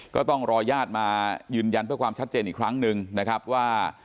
ก็ต้องรอญาติมายืนยันเพื่อความชัดเจนอีกครั้งหนึ่งนะครับว่า